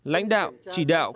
lãnh đạo chỉ đạo